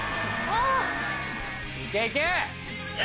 いけいけ。